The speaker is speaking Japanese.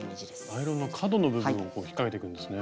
アイロンの角の部分を引っ掛けていくんですね。